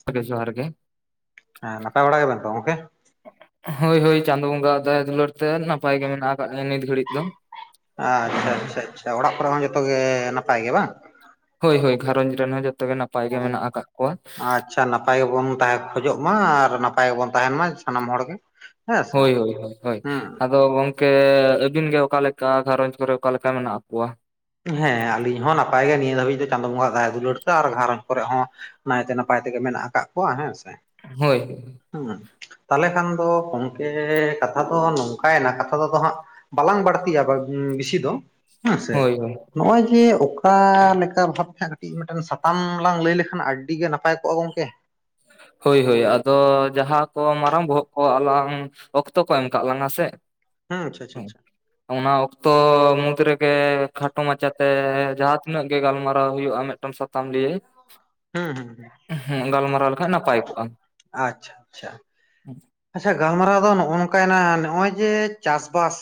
[unintelligible] ᱜᱚᱝᱠᱮ ᱡᱚᱦᱟᱨ ᱜᱮ ᱦᱮᱸ ᱱᱟᱯᱟᱭ ᱵᱟᱲᱟ ᱜᱮ ᱵᱮᱱ ᱛᱚ ᱜᱚᱢᱠᱮ? ᱦᱚᱭ - ᱦᱚᱭ ᱪᱟᱺᱫᱚ - ᱵᱚᱺᱜᱟ ᱫᱟᱭᱟ ᱫᱩᱞᱟᱹᱲ ᱛᱮ ᱱᱟᱯᱟᱭ ᱜᱮ ᱢᱮᱱᱟᱜ ᱟᱠᱟᱫ ᱞᱤᱧᱟ ᱱᱤᱛ ᱜᱷᱟᱹᱲᱤᱠ ᱫᱚ ᱾ ᱟᱪᱪᱷᱟ ᱟᱪᱪᱷᱟ ᱪᱷᱟ ᱚᱲᱟᱜ ᱠᱚᱨᱮ ᱦᱚᱸ ᱡᱚᱛᱚᱜ ᱜᱮ ᱱᱟᱯᱟᱭ ᱜᱮ ᱵᱟᱝ? ᱦᱚᱭ - ᱦᱚᱭ ᱜᱷᱟᱨᱚᱸᱡᱽ ᱨᱮᱱ ᱦᱚᱸ ᱡᱚᱛᱚ ᱜᱮ ᱱᱟᱯᱟᱭ ᱜᱮ ᱢᱮᱱᱟᱜ ᱟᱠᱟᱜ ᱠᱚᱣᱟ ᱾ ᱟᱪᱪᱷᱟ ᱱᱟᱯᱟᱭ ᱜᱮ ᱵᱚᱱ ᱛᱟᱦᱮ ᱠᱷᱚᱡᱚᱜ ᱢᱟ ᱟᱨ ᱱᱟᱯᱟᱭ ᱜᱮ ᱵᱚᱱ ᱛᱟᱦᱮᱱ ᱢᱟ ᱥᱟᱱᱟᱢ ᱦᱚᱲ ᱜᱮ᱾ ᱦᱮᱸ ᱥᱮ ᱦᱚᱭ ᱻ ᱦᱚᱭ ᱻ ᱦᱚᱭ ᱻ ᱦᱚᱭ ᱦᱩᱸ ᱟᱫᱚ ᱜᱚᱝᱠᱮᱼᱼᱼ ᱠᱮᱻ ᱟᱹᱵᱤᱱ ᱜᱮ ᱚᱠᱟ ᱞᱮᱠᱟ ᱜᱷᱟᱨᱚᱸᱡᱽ ᱠᱚᱨᱮ ᱚᱠᱟ ᱞᱮᱠᱟ ᱢᱮᱱᱟᱜ ᱠᱚᱣᱟ? ᱦᱮᱸ ᱟᱹᱞᱤᱧ ᱦᱚᱸ ᱱᱟᱯᱟᱭ ᱜᱮᱭᱟ ᱱᱤᱭᱟᱹ ᱫᱷᱟᱹᱵᱤᱡ ᱫᱚ, ᱪᱟᱺᱫᱚ ᱵᱚᱺᱜᱟ ᱦᱟᱜ ᱫᱟᱭᱟ ᱫᱩᱞᱟᱹᱲ ᱛᱮ, ᱟᱨ ᱜᱷᱟᱨᱚᱸᱡᱽ ᱠᱚ ᱨᱮ ᱦᱚᱸ ᱱᱟᱭ ᱛᱮ ᱱᱟᱯᱟᱭ ᱛᱮᱜᱮ ᱢᱮᱱᱟᱜ ᱟᱠᱟᱫ ᱠᱚᱣᱟ ᱦᱮᱸ ᱥᱮ᱾ ᱦᱚᱭ ᱦᱳᱭ᱾ ᱦᱮᱸ ᱛᱟᱦᱚᱞᱮ ᱠᱷᱟᱱ ᱫᱚ ᱜᱚᱝᱠᱮ ᱠᱟᱛᱷᱟ ᱫᱚ ᱱᱚᱝᱠᱟ ᱮᱱᱟ, ᱠᱟᱛᱷᱟ ᱛᱮᱫᱚ ᱦᱟᱸᱜ ᱵᱟᱞᱟᱝ ᱵᱟᱹᱲᱛᱤᱭᱟ ᱵᱤᱥᱤ ᱫᱚ ᱦᱮᱸ ᱥᱮ? ᱦᱳᱭ ᱦᱳᱭ ᱱᱚᱜᱼᱚᱭ ᱡᱮ ᱚᱠᱟ ᱞᱮᱠᱟ ᱵᱷᱟᱵᱽ ᱛᱮ ᱦᱟᱸᱜ ᱠᱟᱹᱴᱤᱡ ᱢᱤᱫᱴᱮᱱ ᱥᱟᱛᱟᱢ ᱞᱟᱝ ᱞᱟᱹᱭ ᱞᱮᱠᱷᱟᱱ ᱟᱹᱰᱤ ᱜᱮ ᱱᱟᱯᱟᱭ ᱠᱚᱜᱼᱟ ᱜᱚᱝᱠᱮ᱾ ᱦᱚᱭ ᱦᱚᱭ ᱟᱫᱚ ᱡᱟᱦᱟᱸ ᱠᱚ ᱢᱟᱨᱟᱝ ᱵᱚᱦᱚᱜ ᱠᱚ ᱟᱞᱟᱝ ᱚᱠᱛᱚ ᱠᱚ ᱮᱢ ᱠᱟᱜ ᱞᱟᱝᱟ ᱥᱮ? ᱦᱩᱸ ᱪᱷᱟ ᱪᱷᱟ ᱪᱷᱟ᱾ ᱚᱱᱟ ᱚᱠᱛᱚ ᱢᱩᱫᱽ ᱨᱮᱜᱮ ᱠᱷᱟᱴᱚ ᱢᱟᱪᱟ ᱛᱮ ᱡᱟᱦᱟᱸ ᱛᱤᱱᱟᱹᱜ ᱜᱮ ᱜᱟᱞᱢᱟᱨᱟᱣ ᱦᱩᱭᱩᱜᱼᱟ, ᱢᱤᱫ ᱴᱟᱝ ᱥᱟᱛᱟᱢ ᱞᱟᱹᱭᱮ ᱦᱩᱸ ᱦᱩᱸ ᱦᱩᱸ᱾ ᱦᱩᱸ ᱜᱟᱞᱢᱟᱨᱟᱣ ᱞᱮᱠᱷᱟᱡ ᱱᱟᱯᱟᱭ ᱠᱚᱜᱼᱟ᱾ ᱟᱪᱪᱷᱟ ᱪᱷᱟ ᱪᱷᱟ᱾ ᱟᱪᱪᱷᱟ ᱜᱟᱞᱢᱟᱨᱟᱣ ᱫᱚ ᱱᱚᱜ ᱱᱚᱝᱠᱟ ᱮᱱᱟ ᱱᱚᱜᱼᱚᱭ ᱡᱮ ᱪᱟᱥ-ᱵᱟᱥ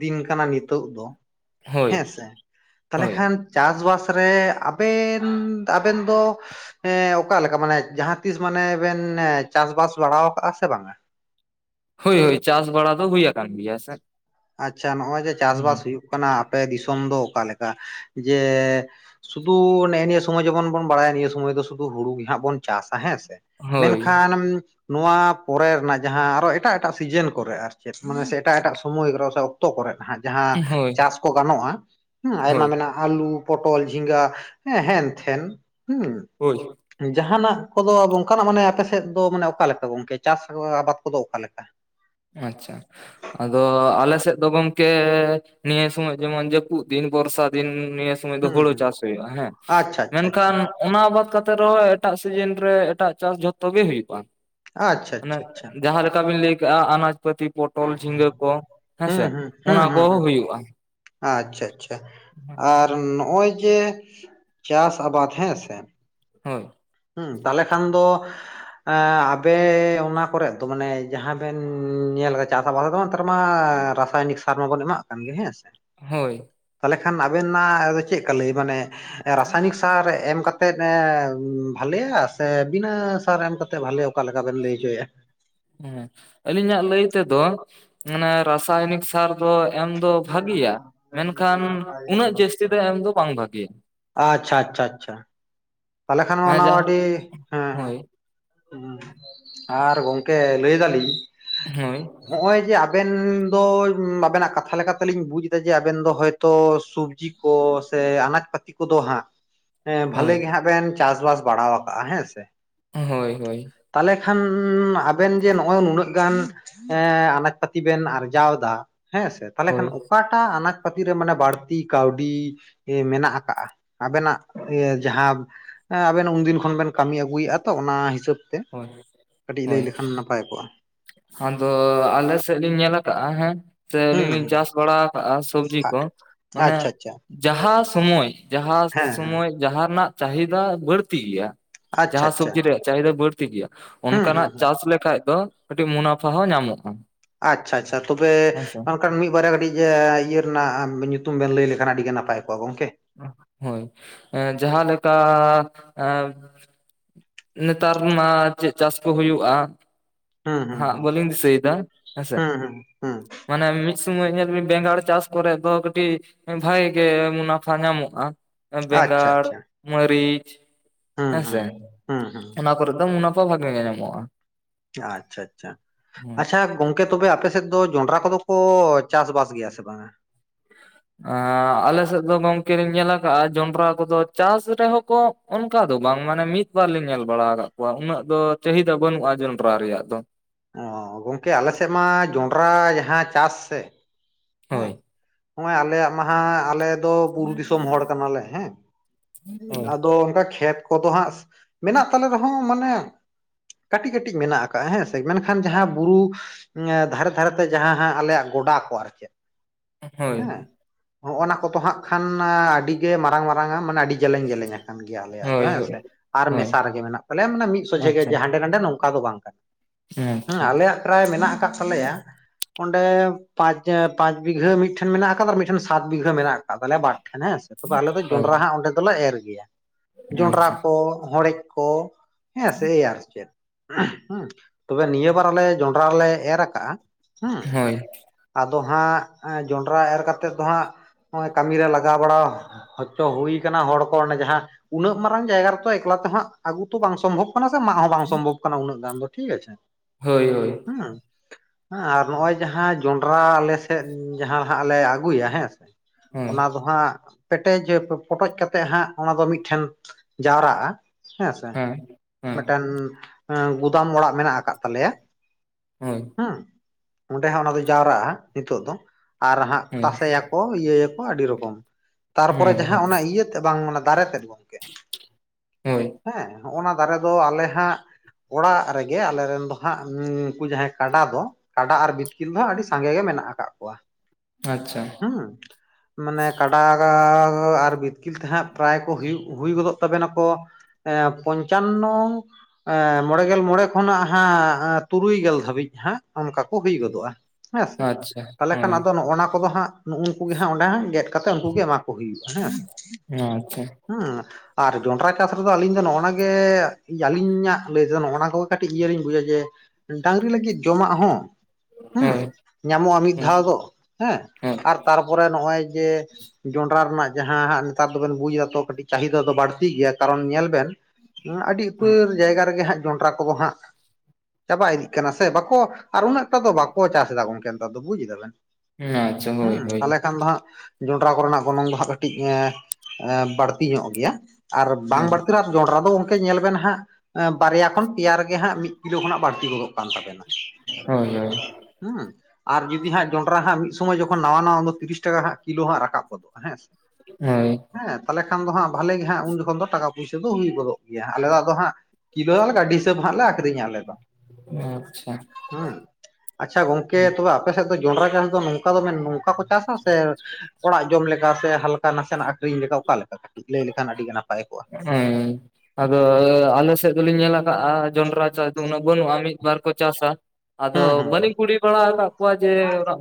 ᱫᱤᱱ ᱠᱟᱱᱟ ᱱᱤᱛᱚᱜ ᱫᱚ᱾ ᱦᱳᱭ ᱦᱮᱸ ᱥᱮ ᱛᱟᱦᱚᱞᱮ ᱦᱳᱭ ᱠᱷᱟᱱ ᱪᱟᱥ-ᱵᱟᱥ ᱨᱮ ᱟᱵᱮᱱ ᱟᱵᱮᱱ ᱫᱚ ᱮᱸ ᱚᱠᱟ ᱞᱮᱠᱟ ᱢᱟᱱᱮ ᱡᱟᱦᱟᱸ ᱛᱤᱥ ᱢᱟᱱᱮ ᱵᱮᱱ ᱪᱟᱥ-ᱵᱟᱥ ᱵᱟᱲᱟᱣ ᱟᱠᱟᱜᱼᱟ ᱥᱮ ᱵᱟᱝᱟ? ᱦᱚᱭ ᱦᱚᱭ ᱪᱟᱥ ᱵᱟᱲᱟ ᱫᱚ ᱦᱩᱭ ᱟᱠᱟᱱ ᱜᱮᱭᱟ ᱥᱮ᱾ ᱟᱪᱪᱷᱟ ᱱᱚᱜᱼᱚᱭ ᱡᱮ ᱪᱟᱥ-ᱵᱟᱥ ᱦᱩᱭᱩᱜ ᱠᱟᱱᱟ ᱟᱯᱮ ᱫᱤᱥᱚᱢ ᱫᱚ ᱚᱠᱟ ᱞᱮᱠᱟ? ᱡᱮ ᱥᱩᱫᱩ ᱱᱮᱜ ᱱᱤᱭᱟᱹ ᱥᱚᱢᱚᱭ ᱡᱮᱢᱚᱱ ᱵᱚᱱ ᱵᱟᱲᱟᱭᱟ ᱱᱤᱭᱟᱹ ᱥᱚᱢᱚᱭ ᱫᱚ ᱥᱩᱫᱩ ᱦᱩᱲᱩ ᱜᱮ ᱦᱟᱸᱜ ᱵᱚᱱ ᱪᱟᱥᱟ ᱦᱮᱸ ᱥᱮ? ᱢᱮᱱ ᱦᱳᱭ ᱠᱷᱟᱱ ᱮᱢ ᱱᱚᱣᱟ ᱯᱚᱨᱮ ᱨᱮᱱᱟᱜ ᱡᱟᱦᱟᱸ ᱟᱨ ᱦᱚᱸ ᱮᱴᱟᱜ ᱮᱴᱟᱜ ᱥᱤᱡᱮᱱ ᱠᱚ ᱨᱮ ᱟᱨ ᱪᱮᱫ ᱢᱟᱱᱮ ᱥᱮ ᱮᱴᱟᱜ ᱮᱴᱟᱜ ᱥᱚᱢᱚᱭ ᱠᱚᱨᱮ ᱥᱮ ᱚᱠᱛᱚ ᱠᱚᱨᱮ ᱦᱟᱸᱜ ᱡᱟᱦᱟᱸ ᱦᱳᱭ ᱪᱟᱥ ᱠᱚ ᱜᱟᱱᱚᱜᱼᱟ, ᱦᱮᱸ ᱟᱭᱢᱟ ᱦᱳᱭ ᱢᱮᱱᱟᱜ ᱟᱹᱞᱩ, ᱯᱚᱴᱚᱞ, ᱡᱷᱤᱸᱜᱟ ᱦᱮᱸ ᱦᱮᱱᱛᱷᱮᱱ ᱦᱩᱸ᱾ ᱦᱳᱭ᱾ ᱡᱟᱦᱟᱸ ᱱᱟᱜ ᱠᱚ ᱫᱚ ᱚᱱᱠᱟ ᱱᱟᱜ ᱢᱟᱱᱮ ᱟᱯᱮ ᱥᱮᱫ ᱫᱚ ᱢᱟᱱᱮ ᱚᱠᱟ ᱞᱮᱠᱟ ᱜᱚᱝᱠᱮ? ᱪᱟᱥ ᱟᱵᱟᱫ ᱠᱚᱫᱚ ᱚᱠᱟ ᱞᱮᱠᱟ? ᱟᱪᱪᱷᱟ᱾ ᱟᱫᱚ ᱟᱞᱮ ᱥᱮᱫ ᱫᱚ ᱜᱚᱝᱠᱮ ᱱᱤᱭᱟᱹ ᱥᱚᱢᱚᱭ ᱡᱮᱢᱚᱱ ᱡᱟᱹᱯᱩᱫ ᱫᱤᱱ ᱵᱚᱨᱥᱟ ᱫᱤᱱ ᱱᱤᱭᱟᱹ ᱥᱚᱢᱚᱭ ᱫᱚ ᱦᱩᱸ ᱦᱩᱲᱩ ᱦᱩᱸ ᱪᱟᱥ ᱦᱩᱭᱩᱜᱼᱟ ᱦᱮᱸ ᱟᱪᱪᱷᱟ ᱢᱮᱱ ᱟᱪᱪᱷᱟ ᱟᱪᱪᱷᱟ ᱠᱷᱟᱱ ᱚᱱᱟ ᱵᱟᱫᱽ ᱠᱟᱛᱮᱫ ᱨᱮ ᱦᱚᱸ ᱮᱴᱟᱜ ᱥᱤᱡᱮᱱ ᱨᱮ ᱮᱴᱟᱜ ᱪᱟᱥ ᱡᱚᱛᱚ ᱜᱮ ᱦᱩᱭᱩᱜᱼᱟ᱾ ᱟᱪᱪᱷᱟ ᱚᱱᱟ ᱟᱪᱪᱷᱟ ᱟᱪᱪᱷᱟ ᱡᱟᱦᱟᱸ ᱞᱮᱠᱟ ᱵᱤᱱ ᱞᱟᱹᱭ ᱠᱮᱜᱼᱟ ᱟᱱᱟᱡᱽ ᱯᱟᱹᱛᱤ ᱯᱚᱴᱚᱞ ᱡᱷᱤᱸᱜᱟᱹ ᱠᱚ ᱦᱮᱸ ᱦᱩᱸ ᱥᱮ ᱦᱩᱸ ᱦᱩᱸ ᱚᱱᱟ ᱠᱚ ᱦᱩᱸ ᱦᱚᱸ ᱦᱩᱸ ᱦᱩᱭᱩᱜᱼᱟ᱾ ᱟᱪᱪᱷᱟ ᱟᱪᱪᱷᱟ, ᱟᱨ ᱱᱚᱜᱼᱚᱭ ᱡᱮ ᱪᱟᱥ ᱟᱵᱟᱫ ᱦᱮᱸ ᱥᱮ? ᱦᱳᱭ᱾ ᱦᱩᱸ ᱛᱟᱦᱚᱞᱮ ᱠᱷᱟᱱ ᱫᱚ ᱟᱸ ᱟᱵᱮ ᱚᱱᱟ ᱠᱚᱨᱮ ᱫᱚ ᱢᱟᱱᱮ ᱡᱟᱦᱟᱸ ᱵᱮᱱ ᱧᱮᱞ ᱠᱟᱫᱟ ᱪᱟᱥ ᱟᱵᱚ ᱫᱚ ᱱᱮᱛᱟᱨ ᱢᱟ ᱨᱟᱥᱟᱭᱚᱱᱤᱠ ᱥᱟᱨ ᱢᱟᱵᱚᱱ ᱮᱢᱟᱜ ᱠᱟᱱ ᱜᱮ ᱦᱮᱸ ᱥᱮ? ᱦᱳᱭ᱾ ᱛᱟᱦᱚᱞᱮ ᱠᱷᱟᱱ ᱟᱵᱮᱱᱟᱜ ᱪᱮᱫᱠᱟ ᱞᱟᱹᱭ ᱢᱟᱱᱮ ᱨᱟᱥᱟᱭᱱᱤᱠ ᱥᱟᱨ ᱮᱢ ᱮᱻ ᱠᱟᱛᱮᱫ ᱵᱷᱟᱞᱮᱭᱟ ᱥᱮ ᱵᱤᱱᱟᱹ ᱥᱟᱨ ᱮᱢ ᱠᱟᱛᱮ ᱵᱷᱟᱞᱮ ᱚᱠᱟᱞᱮᱠᱟ ᱵᱮᱱ ᱞᱟᱹᱭ ᱦᱚᱪᱚᱭᱮᱫᱼᱟ? ᱦᱩᱸ ᱟᱹᱞᱤᱧᱟᱜ ᱞᱟᱹᱭ ᱛᱮᱫᱚ ᱢᱟᱱᱮ ᱨᱟᱥᱟᱭᱚᱱᱤᱠ ᱥᱟᱨ ᱫᱚ ᱮᱢ ᱫᱚ ᱵᱷᱟᱜᱤᱭᱟ, ᱢᱮᱱᱠᱷᱟᱱ ᱩᱱᱟᱹᱜ ᱦᱚᱪᱚᱭᱮᱫᱼᱟ ᱡᱟᱹᱥᱛᱤ ᱫᱚ ᱮᱢ ᱫᱚ ᱵᱟᱝ ᱵᱷᱟᱜᱮᱭᱟ᱾ ᱟᱪᱪᱷᱟ ᱟᱪᱪᱷᱟ ᱟᱪᱪᱷᱟ ᱛᱟᱦᱞᱮ ᱠᱷᱟᱱ ᱦᱮᱸ ᱚᱱᱟ ᱡᱟᱦᱟᱸ ᱟᱹᱰᱤ ᱦᱮᱸ ᱦᱮᱸ᱾ ᱦᱳᱭ ᱟᱨ ᱜᱚᱝᱠᱮ ᱞᱟᱹᱭ ᱫᱟᱞᱤᱧ ᱦᱳᱭ᱾ ᱦᱚᱸᱜᱼᱚᱭ ᱡᱮ ᱟᱵᱮᱱ ᱫᱚ ᱟᱵᱮᱱᱟᱜ ᱠᱟᱛᱷᱟ ᱛᱮᱞᱤᱧ ᱵᱩᱡ ᱮᱫᱟ ᱡᱮ ᱟᱵᱮᱱ ᱫᱚ ᱦᱳᱭ ᱛᱚ ᱥᱚᱵᱡᱤ ᱠᱚ ᱥᱮ ᱟᱱᱟᱡᱽ ᱯᱟᱹᱛᱤ ᱠᱚᱫᱚ ᱦᱟᱸᱜ [unintelligible] ᱦᱮᱸ ᱵᱷᱟᱞᱤ ᱜᱮ ᱦᱟᱸᱜ ᱵᱮᱱ ᱪᱟᱥᱵᱟᱥ ᱵᱟᱲᱟ ᱠᱟᱜᱼᱟ ᱦᱮᱸ ᱥᱮ? ᱦᱳᱭ ᱦᱳᱭ᱾ ᱛᱟᱦᱞᱮ ᱠᱷᱟᱱ ᱟᱵᱮᱱ ᱡᱮ ᱱᱚᱜ-ᱚᱭ ᱱᱩᱱᱟᱹᱜ ᱜᱟᱱ ᱮᱸᱻ ᱟᱱᱟᱡᱽ ᱯᱟᱹᱛᱤ ᱵᱮᱱ ᱟᱨᱡᱟᱣ ᱮᱫᱟ ᱦᱮᱸ ᱥᱮ, ᱛᱟᱦᱞᱮ ᱦᱳᱭ ᱠᱷᱟᱱ ᱚᱠᱟ ᱮᱴᱚᱠᱟ ᱟᱱᱟᱡᱽ ᱯᱟᱟᱹᱛᱤ ᱨᱮ ᱢᱟᱱᱮ ᱵᱟᱹᱲᱛᱤ ᱠᱟᱹᱣᱰᱤ ᱢᱮᱱᱟᱜ ᱟᱠᱟᱜᱼᱟ ᱟᱵᱮᱱᱟᱜ ᱤᱭᱟᱹ ᱡᱟᱦᱟᱸ ᱮᱸ, ᱟᱵᱮᱱ ᱩᱱᱫᱤᱱ ᱠᱷᱚᱱ ᱵᱮᱱ ᱠᱟᱹᱢᱤ ᱟᱹᱜᱩᱭᱮᱜ-ᱟ ᱛᱚ ᱚᱱᱟ ᱦᱤᱥᱟᱹᱵ ᱛᱮ ᱦᱳᱭ ᱠᱟᱹᱴᱤᱡ ᱞᱟᱹᱭ ᱦᱳᱭ ᱞᱮᱠᱷᱟᱱ ᱱᱟ ᱯᱟᱭ ᱠᱚᱜ-ᱟ᱾ ᱟᱫᱚ ᱟᱞᱮ ᱥᱮᱫ ᱞᱤᱧ ᱧᱮᱞ ᱟᱠᱟᱜᱼᱟ ᱦᱮᱸ ᱥᱮ ᱦᱩᱸ ᱟᱹᱞᱤᱧ ᱞᱤᱧ ᱦᱩᱸ ᱪᱟᱥ ᱵᱟᱲᱟ ᱟᱠᱟᱜᱼᱟ ᱥᱚᱵᱽᱡᱤ ᱠᱚ ᱢᱟᱱᱮ ᱟᱪᱪᱷᱟ ᱟᱪᱪᱷᱟ ᱡᱟᱦᱟᱸ ᱥᱚᱢᱚᱭ ᱡᱟᱦᱟᱸ ᱦᱮᱸ ᱦᱮᱸ ᱥᱚᱢᱚᱭ ᱡᱟᱦᱟᱸ ᱨᱮᱱᱟᱜ ᱪᱟᱦᱤᱫᱟ ᱵᱟᱹᱲᱛᱤ ᱜᱮᱭᱟ ᱟᱪᱪᱷᱟ ᱡᱟᱦᱟᱸ ᱟᱪᱪᱷᱟ ᱥᱚᱵᱡᱤ ᱨᱮᱭᱟᱜ ᱪᱟᱦᱤᱫᱟ ᱵᱟᱹᱲᱛᱤ ᱜᱮᱭᱟ ᱦᱩᱸ ᱦᱩᱸ ᱚᱱᱠᱟᱱᱟᱜ ᱦᱩᱸ ᱪᱟᱥ ᱞᱮᱠᱷᱟᱡ ᱫᱚ ᱠᱟᱹᱴᱤᱡ ᱢᱩᱱᱟᱯᱷᱟ ᱦᱚᱸ ᱧᱟᱢᱚᱜᱼᱟ᱾ ᱟᱪᱪᱷᱟ ᱟᱪᱪᱷᱟ, ᱛᱚᱵᱮ ᱦᱮᱸᱥᱮ ᱚᱝᱠᱟ ᱢᱤᱫ ᱵᱟᱨᱭᱟ ᱠᱟᱹᱴᱤᱡ ᱮᱸᱻ ᱤᱭᱟᱹ ᱨᱮᱱᱟᱜ ᱧᱩᱛᱩᱢ ᱵᱮᱱ ᱞᱟᱹᱭ ᱞᱮᱠᱷᱟᱱ ᱟᱹᱰᱤ ᱜᱮ ᱱᱟᱯᱟᱭ ᱠᱚᱜᱼᱟ ᱜᱚᱝᱠᱮ᱾ ᱦᱳᱭ ᱮᱸ ᱡᱟᱦᱟᱸᱞᱮᱠᱟ ᱮᱸᱻ ᱱᱮᱛᱟᱨ ᱢᱟ ᱪᱮᱜ ᱪᱟᱥ ᱠᱚ ᱦᱩᱭᱩᱜᱼᱟ ᱦᱩᱸ ᱦᱩᱸ ᱦᱟᱸᱜ ᱦᱩᱸ ᱵᱟᱞᱤᱧ ᱫᱤᱥᱤᱭᱫᱟ ᱦᱮᱸᱥᱮ ᱦᱩᱸ ᱦᱩᱸ ᱦᱩᱸ ᱢᱟᱱᱮ ᱢᱤᱫ ᱥᱩᱢᱚᱭ ᱧᱮᱞ ᱵᱤᱱ ᱵᱮᱸᱜᱟᱲ ᱪᱟᱥ ᱠᱚᱨᱮ ᱫᱚ ᱠᱟᱹᱴᱤᱡ ᱵᱷᱟᱜᱤ ᱜᱮ ᱢᱩᱱᱟᱯᱷᱟ ᱧᱟᱢᱚᱜᱼᱟ᱾ ᱟᱪᱪᱷᱟ ᱵᱮᱸᱜᱟᱲ, ᱟᱪᱪᱷᱟ ᱢᱟᱹᱨᱤᱪ, ᱦᱩᱸ ᱦᱮᱸᱥᱮ ᱦᱩᱸ, ᱦᱩᱸ ᱦᱩᱸ᱾ ᱚᱱᱟ ᱠᱚᱨᱮ ᱫᱚ ᱢᱩᱱᱟᱯᱷᱟ ᱵᱷᱟᱜᱮ ᱜᱮ ᱧᱟᱢᱚᱜᱼᱟ᱾ ᱟᱪᱪᱷᱟ ᱟᱪᱪᱷᱟ, ᱦᱳᱭ ᱟᱪᱪᱷᱟ ᱜᱚᱝ ᱠᱮ ᱛᱚᱵᱮ ᱟᱯᱮ ᱥᱮᱫ ᱫᱚ ᱡᱚᱸᱰᱨᱟ ᱠᱚᱫᱚ ᱠᱚ ᱪᱟᱥ-ᱵᱟᱥ ᱜᱮᱭᱟ ᱥᱮ ᱵᱟᱝᱟ? ᱟᱸᱻ ᱟᱞᱮ ᱥᱮᱫ ᱫᱚ ᱜᱚᱝᱠᱮ ᱞᱤᱧ ᱧᱮᱞ ᱟᱠᱟᱜᱼᱟ ᱡᱚᱸᱰᱨᱟ ᱠᱚᱫᱚ ᱪᱟᱥ ᱨᱮᱦᱚᱸ ᱠᱚ ᱚᱱᱠᱟ ᱫᱚ ᱵᱟᱝ ᱢᱟᱱᱮ ᱢᱤᱫ-ᱵᱟᱨ ᱞᱤᱧ ᱧᱮᱞ ᱵᱟᱲᱟ ᱟᱠᱟᱫ ᱠᱚᱣᱟ ᱩᱱᱟᱹᱜ ᱫᱚ ᱪᱟᱹᱦᱤᱫᱟ ᱵᱟᱹᱱᱩᱜᱼᱟ ᱡᱚᱸᱰᱨᱟ ᱨᱮᱭᱟᱜ ᱫᱚ᱾ ᱚ ᱜᱚᱝᱠᱮ ᱟᱞᱮ ᱥᱮᱫ ᱢᱟ ᱡᱚᱸᱰᱨᱟ ᱡᱟᱦᱟᱸ ᱪᱟᱥ ᱥᱮ ᱦᱳᱭ ᱦᱩᱸ ᱚᱱᱟ ᱟᱞᱮᱭᱟᱜ ᱢᱟ ᱦᱟᱸᱜ ᱟᱞᱮ ᱫᱚ ᱵᱩᱨᱩ ᱫᱤᱥᱚᱢ ᱦᱚᱲ ᱠᱟᱱᱟᱞᱮ ᱦᱮᱸ᱾ ᱦᱩᱸ, ᱦᱳᱭ ᱟᱫᱚ ᱚᱝᱠᱟ ᱠᱷᱮᱛ ᱠᱚᱫᱚ ᱦᱟᱸᱜ ᱢᱮᱱᱟᱜ ᱛᱟᱞᱮ ᱨᱮᱦᱚᱸ ᱢᱟᱱᱮ ᱠᱟᱹᱴᱤᱡ ᱠᱟᱹᱴᱤᱡ ᱢᱮᱱᱟᱜ ᱟᱠᱟᱜᱼᱟ ᱦᱮᱸᱥᱮ ᱢᱮᱱᱠᱷᱟᱱ ᱡᱟᱦᱟᱸ ᱵᱩᱨᱩ ᱱᱚᱣᱟ ᱫᱷᱟᱨᱮ ᱫᱷᱟᱨᱮᱛᱮ ᱡᱟᱦᱟᱸ ᱦᱟᱸᱜ ᱟᱞᱮᱭᱟᱜ ᱜᱚᱰᱟ ᱠᱚ ᱟᱨ ᱪᱮᱫ ᱦᱳᱭ ᱦᱩᱸ, ᱦᱚᱸᱜᱼᱚᱱᱟ ᱠᱚᱫᱚ ᱦᱟᱸᱜ ᱠᱷᱟᱱ ᱟᱹᱰᱤ ᱜᱮ ᱢᱟᱨᱟᱝ ᱢᱟᱨᱟᱝᱟ ᱢᱟᱱᱮ ᱟᱹᱰᱤ ᱡᱮᱞᱮᱧ ᱡᱮᱞᱮᱧᱟ᱾ ᱠᱟᱱ ᱜᱮᱭᱟ ᱟᱞᱮᱭᱟᱜ ᱫᱚ ᱦᱳᱭ ᱦᱮᱸ ᱥᱮ ᱦᱳᱭ ᱟᱨ ᱦᱳᱭ ᱢᱮᱥᱟ ᱨᱮᱜᱮ ᱢᱮᱱᱟᱜ ᱛᱟᱞᱮᱭᱟ ᱢᱟᱱᱮ ᱢᱤᱫ ᱥᱚᱡᱷᱮ ᱜᱮ ᱟᱪᱪᱷᱟ ᱡᱟᱦᱟᱸ ᱱᱚᱸᱰᱮ ᱱᱚᱝᱠᱟ ᱫᱚ ᱵᱟᱝ ᱠᱟᱱᱟ ᱦᱩᱸ, ᱟᱪᱪᱷᱟ ᱟᱞᱮᱭᱟᱜ ᱯᱨᱟᱭ ᱢᱮᱱᱟᱜ ᱟᱠᱟᱫ ᱛᱟᱞᱮᱭᱟ ᱚᱸᱰᱮ ᱯᱟᱸᱪ ᱯᱟᱸᱪ ᱵᱤᱜᱷᱟᱹ ᱢᱤᱫᱴᱷᱮᱱ ᱢᱮᱱᱟᱜ ᱟᱠᱟᱫᱟ ᱟᱨ ᱢᱤᱫᱴᱷᱮᱱ ᱥᱟᱛ ᱵᱤᱜᱷᱟᱹ ᱢᱮᱱᱟᱜ ᱠᱟᱫ ᱛᱟᱞᱮᱭᱟ ᱵᱟᱨ ᱴᱷᱮᱱ ᱦᱮᱸ ᱥᱮ᱾ ᱵᱟ ᱟᱞᱮ ᱫᱚ ᱡᱚᱸᱰᱨᱟ ᱦᱳᱭ ᱦᱟᱸᱜ ᱚᱸᱰᱮ ᱫᱚᱞᱮ ᱮᱨ ᱜᱮᱭᱟ ᱡᱚᱸᱰᱨᱟ ᱟᱪᱪᱷᱟ ᱠᱚ, ᱦᱚᱲᱮᱡ ᱠᱚ᱾ ᱦᱮᱸ ᱥᱮ ᱮᱹᱭ ᱟᱨ ᱪᱮᱫ ᱦᱩᱸ, ᱛᱚᱵᱮ ᱱᱤᱭᱟᱹ ᱵᱟᱨ ᱟᱞᱮ ᱡᱚᱸᱰᱨᱟ ᱨᱮᱞᱮ ᱮᱨ ᱠᱟᱜᱼᱟ ᱦᱩᱸ, ᱦᱳᱭ ᱟᱫᱚ ᱦᱟᱸᱜ ᱡᱚᱸᱰᱨᱟ ᱮᱨ ᱠᱟᱛᱮᱫ ᱫᱚ ᱦᱟᱸᱜ ᱦᱟᱸ, ᱠᱟᱹᱢᱤ ᱨᱮ ᱞᱟᱜᱟᱣ ᱵᱟᱲᱟ ᱦᱚᱭᱛᱚ ᱦᱩᱭ ᱠᱟᱱᱟ ᱦᱚᱲ ᱠᱚ, ᱚᱸᱰᱮ ᱡᱟᱦᱟᱸ ᱩᱱᱟᱹᱜ ᱢᱟᱨᱟᱝ ᱡᱟᱭᱜᱟ ᱨᱮᱛᱚ ᱮᱠᱞᱟ ᱛᱮᱦᱟᱸᱜ ᱟᱹᱜᱩ ᱛᱚ ᱵᱟᱝ ᱥᱚᱢᱵᱷᱚᱵᱽ ᱠᱟᱱᱟ ᱥᱮ ᱢᱟᱜ ᱦᱚᱸ ᱵᱟᱝ ᱥᱚᱢᱵᱷᱚᱵᱽ ᱠᱟᱱᱟ ᱩᱱᱟᱹᱜ ᱜᱟᱱ ᱫᱚ ᱴᱷᱤᱠ ᱟᱪᱷᱮ᱾ ᱦᱳᱭ ᱦᱳᱭ᱾ ᱦᱩᱸ, ᱦᱮᱸ ᱟᱨ ᱱᱚᱜᱼᱚᱭ ᱡᱟᱦᱟᱸ ᱡᱚᱸᱰᱨᱟ ᱟᱞᱮ ᱥᱮᱫ ᱡᱟᱦᱟᱸ ᱦᱟᱸᱜ ᱞᱮ ᱟᱹᱜᱩᱭᱟ ᱦᱮᱸ ᱥᱮ, ᱦᱳᱭ ᱚᱱᱟ ᱫᱚ ᱦᱟᱸᱜ ᱯᱮᱴᱮᱡ ᱯᱚᱴᱚᱡ ᱠᱟᱛᱮᱫ ᱦᱟᱸᱜ ᱚᱱᱟ ᱫᱚ ᱢᱤᱫᱴᱷᱮᱱ ᱡᱟᱣᱨᱟᱜᱼᱟ᱾ ᱦᱮᱸᱥᱮ ᱦᱳᱭ ᱦᱮᱸ ᱢᱤᱫᱴᱟᱱ ᱜᱩᱫᱟᱢ ᱚᱲᱟᱜ ᱢᱮᱱᱟᱜ ᱟᱠᱟᱜ ᱛᱟᱞᱮᱭᱟ᱾ ᱦᱳᱭ᱾ ᱦᱩᱸ, ᱚᱸᱰᱮ ᱦᱚᱸ ᱚᱱᱟ ᱫᱚ ᱡᱟᱣᱨᱟᱜᱼᱟ ᱦᱤᱛᱳᱜ ᱫᱚ᱾ ᱟᱨ ᱦᱟᱸᱜ ᱦᱳᱭ ᱛᱟᱥᱮᱭᱟᱠᱚ ᱤᱭᱟᱹᱭ ᱟᱠᱚ ᱟᱹᱰᱤ ᱨᱚᱠᱚᱢ, ᱛᱟᱨᱯᱚᱨᱮ ᱦᱳᱭ ᱡᱟᱦᱟᱸ ᱚᱱᱟ ᱤᱭᱟᱹ ᱛᱮᱫ ᱵᱟᱝ ᱟᱱᱟ ᱫᱟᱨᱮ ᱛᱮᱫ ᱜᱚᱝᱠᱮ᱾ ᱦᱳᱭ ᱾ ᱦᱮᱸ ᱱᱚᱜᱼᱱᱟ ᱫᱟᱨᱮ ᱫᱚ ᱟᱞᱮ ᱦᱟᱸᱜ ᱚᱲᱟᱜ ᱨᱮᱜᱮ ᱟᱞᱮ ᱨᱮᱱ ᱫᱚ ᱦᱟᱸᱜ ᱩᱱᱠᱩ ᱡᱟᱦᱟᱸᱭ ᱠᱟᱰᱟ ᱫᱚ ᱠᱟᱰᱟ ᱟᱨ ᱵᱤᱛᱠᱤᱞ ᱫᱚ ᱦᱚᱸ ᱟᱹᱰᱤ ᱥᱟᱸᱜᱮ ᱜᱮ ᱢᱮᱱᱟᱜ ᱟᱠᱟᱜ ᱠᱚᱣᱟ᱾ ᱟᱪᱪᱷᱟ᱾ ᱦᱩᱸ ᱢᱟᱱᱮ ᱠᱟᱰᱟ ᱟᱨ ᱵᱤᱛᱠᱤᱞ ᱛᱮ ᱦᱟᱸᱜ ᱯᱨᱟᱭ ᱠᱚ ᱦᱩᱭ ᱜᱚᱫᱚᱜ ᱛᱟᱵᱮ ᱱᱟᱠᱚ ᱯᱚᱧᱪᱟᱱᱱᱚ ᱢᱚᱬᱮ ᱜᱮᱞ ᱢᱚᱬᱮ ᱠᱷᱚᱱᱟᱜ ᱦᱟᱸᱜ ᱛᱩᱨᱩᱭ ᱜᱮᱞ ᱫᱷᱟᱹᱵᱤᱡ ᱦᱟᱸᱜ ᱚᱱᱠᱟ ᱠᱚ ᱦᱩᱭ ᱜᱚᱫᱚᱜᱼᱟ ᱦᱮᱸ ᱥᱮ ᱾ ᱟᱪᱪᱷᱟ ᱾ [unintelligible] ᱟᱫᱚ ᱱᱚᱜ ᱚᱱᱟ ᱠᱚᱫᱚ ᱦᱟᱸᱜ ᱩᱱᱠᱩ ᱜᱮ ᱦᱟᱸᱜ ᱚᱸᱰᱮ ᱦᱟᱸᱜ ᱜᱮᱫ ᱠᱟᱛᱮᱜ ᱩᱱᱠᱩ ᱜᱮ ᱮᱢᱟ ᱠᱚ ᱦᱩᱭᱩᱜᱼᱟ ᱦᱮᱸ ᱟᱪᱪᱷᱟ ᱦᱮᱸ ᱾ ᱟᱨ ᱡᱚᱱᱰᱨᱟ ᱪᱟᱥ ᱨᱮᱫᱚ ᱟᱹᱞᱤᱧ ᱫᱚ ᱱᱚᱜ ᱱᱚᱣᱟ ᱜᱮ ᱟᱹᱞᱤᱧᱟᱜ ᱞᱟᱹᱭ ᱛᱮᱫᱚ ᱱᱚᱜ ᱱᱚᱣᱟ ᱠᱚᱜᱮ ᱠᱟᱹᱴᱤᱡ ᱤᱭᱟᱹᱞᱤᱧ ᱵᱩᱡᱟ ᱡᱮ ᱰᱟᱝᱨᱤ ᱞᱟᱹᱜᱤᱫ ᱡᱚᱢᱟᱜ ᱦᱚᱸ ᱦᱮᱸ ᱦᱳᱭ ᱧᱟᱢᱚᱜᱼᱟ᱾ ᱢᱤᱫ ᱦᱳᱭ ᱫᱷᱟᱣ ᱫᱚ᱾ ᱦᱮᱸ ᱟᱨ ᱛᱟᱨᱯᱚᱨᱮ ᱱᱚᱜᱼᱚᱭ ᱡᱮ ᱡᱚᱱᱰᱨᱟ ᱨᱮᱱᱟᱜ ᱡᱟᱦᱟᱸ ᱦᱟᱸᱜ ᱱᱮᱛᱟᱨ ᱫᱚᱵᱮᱱ ᱵᱩᱡ ᱮᱫᱟ ᱛᱚ, ᱠᱟᱹᱴᱤᱡ ᱪᱟᱦᱤᱫᱟ ᱫᱚ ᱵᱟᱹᱲᱛᱤ ᱜᱮᱭᱟ᱾ ᱠᱟᱨᱚᱱ ᱧᱮᱞ ᱵᱮᱱ ᱟᱹᱰᱤ ᱩᱛᱟᱹᱨ ᱡᱟᱭᱜᱟ ᱨᱮᱜᱮ ᱦᱟᱸᱜ ᱡᱚᱱᱰᱨᱟ ᱠᱚᱫᱚ ᱦᱟᱸᱜ ᱪᱟᱵᱟ ᱤᱫᱤ ᱠᱟᱱᱟ ᱥᱮ ᱵᱟᱠᱚ ᱟᱨ ᱩᱱᱟᱹᱜ ᱴᱟ ᱫᱚ ᱵᱟᱠᱚ ᱪᱟᱥ ᱮᱫᱟ ᱜᱚᱝᱠᱮ ᱱᱮᱛᱟᱨ ᱫᱚ ᱵᱩᱡ ᱫᱟ ᱵᱮᱱ ᱟᱪᱪᱷᱟ ᱾ ᱦᱳᱭ ᱦᱩᱸ ᱛᱟᱦᱚᱞᱮ ᱦᱳᱭ ᱠᱷᱟᱱ ᱫᱚ ᱦᱟᱸᱜ ᱡᱚᱱᱰᱨᱟ ᱠᱚᱨᱮᱱᱟᱜ ᱜᱚᱱᱚᱝ ᱫᱚ ᱦᱟᱸᱜ ᱠᱟᱹᱴᱤᱡ ᱵᱟᱹᱲᱛᱤ ᱧᱚᱜ ᱜᱮᱭᱟ᱾ ᱟᱨ ᱵᱟᱝ ᱦᱳᱭ ᱵᱟᱹᱲᱛᱤ ᱡᱚᱱᱰᱨᱟ ᱫᱚ ᱚᱱᱠᱮ ᱧᱮᱞ ᱵᱮᱱ ᱦᱟᱸᱜ ᱵᱟᱨᱭᱟ ᱠᱷᱚᱱ ᱯᱮᱭᱟ ᱨᱮᱜᱮ ᱦᱟᱸᱜ ᱢᱤᱫ ᱠᱤᱞᱳ ᱠᱷᱚᱱᱟᱜ ᱵᱟᱹᱲᱛᱤ ᱜᱚᱫᱚᱜ ᱠᱟᱱ ᱛᱟᱵᱮᱱᱟ᱾ ᱦᱳᱭ ᱦᱳᱭ ᱾ ᱦᱩᱸ ᱟᱨ ᱡᱩᱫᱤ ᱦᱟᱸᱜ ᱡᱚᱸᱰᱨᱟ ᱦᱟᱸᱜ ᱢᱤᱫ ᱥᱚᱢᱚᱭ ᱡᱚᱠᱷᱚᱱ ᱱᱟᱣᱟ ᱱᱟᱣᱟ ᱩᱱ ᱫᱚ ᱛᱤᱨᱤᱥ ᱴᱟᱠᱟ ᱦᱟᱸᱜ ᱠᱤᱞᱳ ᱦᱟᱸᱜ ᱨᱟᱠᱟᱵ ᱜᱚᱫᱚᱜᱼᱟ ᱦᱮᱸ ᱥᱮ ᱾ ᱦᱳᱭ᱾ ᱦᱮᱸ ᱛᱟᱦᱚᱞᱮ ᱠᱷᱟᱱ ᱫᱚ ᱦᱟᱸᱜ ᱵᱷᱟᱞᱮ ᱜᱮ ᱦᱟᱸᱜ ᱩᱱ ᱡᱚᱠᱷᱚᱱ ᱫᱚ ᱴᱟᱠᱟ ᱯᱩᱭᱥᱟ ᱫᱚ ᱦᱩᱭ ᱜᱚᱫᱚᱜ ᱜᱮᱭᱟ᱾ ᱟᱞᱮ ᱫᱚ ᱟᱫᱚ ᱦᱟᱸᱜ ᱠᱤᱞᱳ ᱜᱟᱹᱰᱤ ᱦᱤᱥᱟᱹᱵᱽ ᱦᱟᱸᱜ ᱞᱮ ᱟᱠᱷᱨᱤᱧᱟ ᱟᱞᱮ ᱫᱚ᱾ ᱟᱪᱪᱷᱟ᱾ ᱦᱮᱸ ᱟᱪᱪᱷᱟ ᱜᱚᱝᱠᱮ ᱛᱚᱵᱮ ᱟᱯᱮ ᱥᱮᱫ ᱫᱚ ᱡᱚᱱᱰᱨᱟ ᱪᱟᱥ ᱫᱚ, ᱱᱚᱝᱠᱟ ᱫᱚ ᱢᱮᱱ ᱱᱚᱝᱠᱟ ᱠᱚ ᱪᱟᱥᱟ ᱥᱮ? ᱚᱲᱟᱜ ᱡᱚᱢ ᱞᱮᱠᱟ ᱥᱮ ᱦᱟᱞᱠᱟ ᱱᱟᱥᱮᱱᱟᱜ ᱟᱹᱠᱷᱚᱨᱤᱧ ᱞᱮᱠᱟ ᱚᱠᱟ ᱞᱮᱠᱟ? ᱠᱟᱹᱴᱤᱡ ᱞᱟᱹᱭ ᱞᱮᱠᱷᱟᱱ ᱟᱹᱰᱤ ᱜᱮ ᱱᱟᱯᱟᱭ ᱠᱚᱜᱼᱟ᱾ ᱦᱩᱸ ᱟᱫᱚ ᱟᱞᱮ ᱥᱮᱫ ᱫᱚᱞᱤᱧ ᱧᱮᱞ ᱟᱠᱟᱫᱼᱟ, ᱡᱚᱱᱰᱨᱟ ᱪᱟᱥ ᱫᱚ ᱩᱱᱟᱹᱜ ᱵᱟᱹᱱᱩᱜᱼᱟ᱾ ᱢᱤᱫ ᱵᱟᱨ ᱠᱚ ᱪᱟᱥᱟ ᱟᱫᱚ ᱦᱩᱸ ᱦᱩᱸ ᱦᱩᱸ ᱵᱟᱞᱤᱞ ᱠᱩᱞᱤ ᱵᱟᱲᱟ ᱟᱠᱟᱫ ᱠᱚᱣᱟ, ᱡᱮ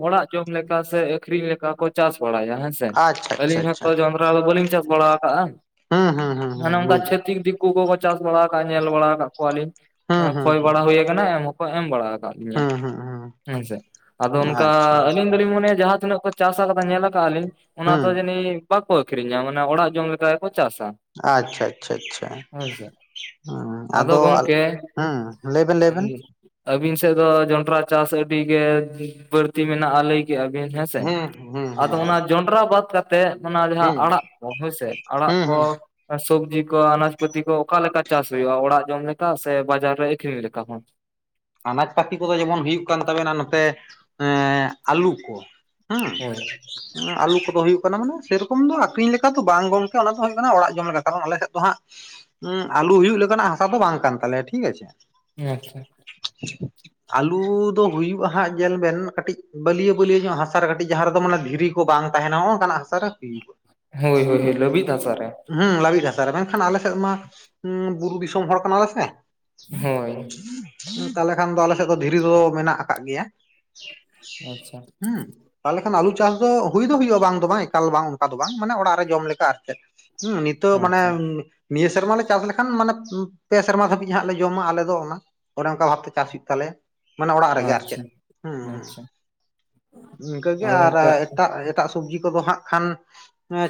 ᱚᱲᱟᱜ ᱡᱚᱢ ᱞᱮᱠᱟ ᱥᱮ ᱟᱹᱠᱷᱚᱨᱤᱧ ᱞᱮᱠᱟ ᱠᱚ ᱪᱟᱥ ᱵᱟᱲᱟᱭᱟ ᱦᱮᱸ ᱥᱮ? ᱟᱪᱪᱷᱟ ᱟᱪᱪᱷᱟ ᱟᱹᱞᱤᱧ ᱦᱚᱸ ᱛᱚ ᱡᱚᱱᱰᱨᱟ ᱫᱚ ᱵᱟᱹᱞᱤᱧ ᱪᱟᱥ ᱵᱟᱲᱟ ᱟᱠᱟᱜᱼᱟ᱾ ᱦᱮᱸ ᱦᱮᱸ᱾ ᱚᱱᱮ ᱚᱱᱠᱟ ᱪᱷᱟᱛᱤᱠ ᱫᱤᱠᱩ ᱠᱚᱠᱚ ᱪᱟᱥ ᱵᱟᱲᱟ ᱟᱠᱟᱜᱼᱟ, ᱧᱮᱞ ᱵᱟᱲᱟ ᱟᱠᱟᱫ ᱠᱚᱣᱟᱞᱤᱧ ᱦᱩᱸ ᱦᱩᱸ ᱠᱷᱚᱭ ᱦᱩᱸ ᱵᱟᱲᱟ ᱦᱩᱭ ᱟᱠᱟᱱᱟ ᱮᱢ ᱦᱚᱸ ᱮᱢ ᱵᱟᱲᱟ ᱟᱠᱟᱫ ᱞᱤᱧᱟᱹ᱾ ᱦᱩᱸ ᱦᱩᱸ ᱦᱮᱸ ᱥᱮ ᱟᱫᱚ ᱦᱩᱸ ᱚᱱᱠᱟ ᱟᱪᱪᱷᱟ ᱟᱹᱞᱤᱧ ᱫᱚᱞᱤᱧ ᱢᱚᱱᱮᱭᱟ ᱡᱟᱦᱟᱸ ᱛᱤᱱᱟᱹᱜ-ᱼ ᱪᱟᱥ ᱠᱟᱫᱟ ᱧᱮᱞ ᱟᱠᱟᱫᱼᱟ ᱞᱤᱧ ᱚᱱᱟ ᱦᱩᱸ ᱫᱚ ᱡᱟᱹᱱᱤ ᱵᱟᱠᱚ ᱟᱹᱠᱷᱨᱤᱧᱟ, ᱢᱟᱱᱮ ᱚᱲᱟᱜ ᱡᱚᱢ ᱞᱮᱠᱟ ᱜᱮᱠᱚ ᱪᱟᱥᱟ᱾ ᱟᱪᱪᱷᱟ ᱟᱪᱪᱷᱟ ᱟᱪᱪᱷᱟ᱾ ᱦᱮᱸᱥᱮ ᱦᱩᱸ ᱟᱫᱚ ᱦᱩᱸ ᱞᱟᱹᱭ ᱵᱮᱱ ᱞᱟᱹᱭ ᱵᱮᱱ ᱟᱹᱵᱤᱱ ᱥᱮᱫ ᱫᱚ ᱡᱚᱱᱰᱨᱟ ᱪᱟᱥ ᱟᱹᱰᱤ ᱜᱮ ᱵᱟᱹᱲᱛᱤ ᱢᱮᱱᱟᱜᱼᱟ᱾ ᱞᱟᱹᱭ ᱠᱮᱭᱟ ᱵᱤᱱ ᱦᱮᱸᱥᱮ ᱦᱮᱸ ᱦᱮᱸ ᱾ ᱟᱫᱚ ᱦᱮᱸ ᱚᱱᱟ ᱡᱚᱱᱰᱨᱟ ᱵᱟᱫ ᱠᱟᱛᱮᱫ ᱛᱮ ᱚᱱᱟ ᱡᱟᱦᱟᱸ ᱦᱮᱸ ᱟᱲᱟᱜ ᱠᱚ ᱦᱳᱭ ᱥᱮ ᱟᱲᱟᱜ ᱦᱮᱸ ᱠᱚ ᱦᱮᱸ ᱥᱚᱵᱽᱡᱤ ᱠᱚ ᱟᱱᱟᱡ ᱯᱟᱹᱛᱤ ᱠᱚ ᱚᱠᱟ ᱞᱮᱠᱟ ᱪᱟᱥ ᱦᱩᱭᱩᱜᱼᱟ? ᱚᱲᱟᱜ ᱡᱚᱢ ᱞᱮᱠᱟ ᱥᱮ ᱵᱟᱡᱟᱨ ᱨᱮ ᱟᱠᱷᱨᱤᱧ ᱞᱮᱠᱟ ᱦᱚᱸ᱾ ᱟᱱᱟᱡᱽ ᱯᱟᱛᱤ ᱠᱚᱫᱚ ᱡᱮᱢᱚᱱ ᱦᱩᱭᱩᱜ ᱠᱟᱱ ᱛᱟᱵᱮᱱᱟ, ᱱᱚᱛᱮ ᱮ ᱟᱞᱩ ᱠᱚ ᱦᱮᱸ᱾ ᱦᱳᱭ ᱾ ᱟᱞᱩ ᱠᱚᱫᱚ ᱦᱩᱭᱩᱜ ᱠᱟᱱᱟ ᱢᱟᱱᱮ ᱥᱮᱨᱚᱠᱚᱢ ᱫᱚ ᱟᱠᱷᱨᱤᱧ ᱞᱮᱠᱟᱛᱚ ᱵᱟᱝ ᱜᱚᱢᱠᱮ ᱚᱱᱟ ᱫᱚ ᱦᱩᱭᱩᱜ ᱠᱟᱱᱟ, ᱚᱲᱟᱜ ᱡᱚᱢ ᱞᱮᱠᱟ᱾ ᱠᱟᱨᱚᱱ ᱟᱞᱮ ᱥᱮᱫ ᱫᱚ ᱦᱟᱸᱜ, ᱩᱸ ᱟᱞᱩ ᱦᱩᱭᱩᱜ ᱞᱮᱠᱟᱱᱟᱜ ᱦᱟᱥᱟ ᱫᱚ ᱵᱟᱝ ᱠᱟᱱ ᱛᱟᱞᱮᱭᱟ ᱴᱷᱤᱠ ᱟᱪᱷᱮ ᱾ ᱟᱪᱪᱷᱟ ᱾ ᱟᱹᱞᱩ ᱫᱚ ᱦᱩᱭᱩᱜᱼᱟ ᱦᱟᱸᱜ ᱧᱮᱞ ᱵᱮᱱ ᱠᱟᱹᱴᱤᱡ ᱵᱟᱹᱞᱭᱟᱹ ᱵᱟᱹᱞᱭᱟᱹ ᱧᱚᱜ ᱦᱟᱥᱟ ᱨᱮ ᱠᱟᱹᱴᱤᱡ ᱡᱟᱦᱟᱸ ᱨᱮᱫᱚ ᱢᱟᱱᱮ ᱫᱷᱤᱨᱤ ᱠᱚ ᱵᱟᱝ ᱛᱟᱦᱮᱱᱟ ᱱᱚᱜᱼᱚᱝᱠᱟᱱᱟᱜ ᱦᱟᱥᱟ ᱨᱮ ᱦᱩᱭᱩᱜᱼᱟ ᱾ ᱦᱳᱭ ᱦᱳᱭ ᱦᱳᱭ ᱞᱟᱵᱤᱛ ᱦᱟᱥᱟᱨᱮ ᱾ ᱦᱮᱸ ᱞᱟᱹᱵᱤᱫ ᱦᱟᱥᱟ ᱨᱮ ᱢᱮᱱᱠᱷᱟᱱ ᱟᱞᱮᱥᱮᱫ ᱢᱟ ᱩᱸ ᱵᱩᱨᱩ ᱫᱤᱥᱚᱢ ᱦᱚᱲ ᱠᱟᱱᱟ ᱞᱮ ᱥᱮ ᱾ ᱦᱳᱭ ᱛᱟᱦᱞᱮ ᱠᱷᱟᱱ ᱫᱚ ᱟᱞᱮ ᱥᱮᱫ ᱫᱚ ᱫᱷᱤᱨᱤ ᱫᱚ ᱢᱮᱱᱟᱜ ᱟᱠᱟᱜ ᱜᱮᱭᱟ ᱟᱪᱪᱷᱟ ᱾ ᱦᱩᱸ ᱾ ᱛᱟᱦᱚᱞᱮ ᱠᱷᱟᱱ ᱟᱹᱞᱩ ᱪᱟᱥ ᱫᱚ ᱦᱩᱭ ᱫᱚ ᱦᱩᱭᱩᱜᱼᱟ ᱵᱟᱝ ᱫᱚ ᱵᱟᱝ ᱮᱠᱟᱞ ᱵᱟᱝ ᱚᱱᱠᱟ ᱫᱚ ᱵᱟᱝ ᱢᱟᱱᱮ ᱚᱲᱟᱜ ᱨᱮ ᱡᱚᱢ ᱞᱮᱠᱟ ᱟᱨ ᱪᱮᱫ ᱾ ᱦᱩᱸ [unintelligible] ᱛᱳ ᱢᱟᱱᱮ ᱟᱪᱪᱷᱟ ᱱᱤᱭᱟᱹ ᱥᱮᱨᱢᱟ ᱞᱮ ᱪᱟᱥ ᱞᱮᱠᱷᱟᱱ ᱢᱟᱱᱮ ᱯᱮ ᱥᱮᱨᱢᱟ ᱫᱷᱟᱹᱵᱤᱡ ᱦᱟᱜ ᱞᱮ ᱡᱚᱢᱟ ᱟᱞᱮ ᱫᱚ ᱚᱱᱟ ᱚᱱᱮ ᱚᱱᱠᱟ ᱵᱷᱟᱵᱛᱮ ᱪᱟᱥ ᱦᱩᱭᱩᱜ ᱛᱟᱞᱮᱭᱟ ᱢᱟᱱᱮ ᱚᱲᱟᱜ ᱨᱮᱜᱮ ᱟᱨ ᱟᱪᱪᱷᱟ ᱪᱮᱫ ᱦᱩᱸ ᱦᱩᱸ ᱾ ᱟᱪᱪᱷᱟ ᱤᱱᱠᱟᱹᱜ ᱜᱮ ᱟᱫᱚ ᱟᱨ ᱚᱱᱠᱟ ᱮᱴᱟᱜ ᱮᱴᱟᱜ ᱥᱚᱵᱽᱡᱤ ᱠᱚᱫᱚ ᱦᱟᱸᱜ ᱠᱷᱟᱱ